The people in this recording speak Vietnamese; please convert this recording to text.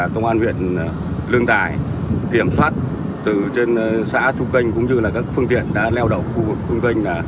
công an viện lương tài kiểm soát từ trên xã trung canh cũng như các phương tiện đã leo đậu khu vực trung canh